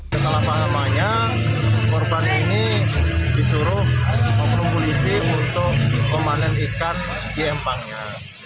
kesalahpahamannya korban ini disuruh oknum polisi untuk memanen ikan di empangnya